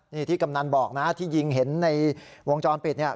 นี่ที่กำนันบอกนะที่ยิงเห็นในวงจรปิดเนี่ย